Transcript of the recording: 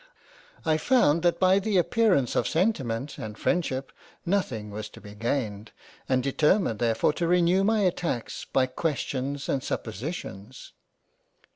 I found that by the appearance of sentiment and Freindship nothing was to be gained and determined therefore to renew my attacks by Questions and suppositions.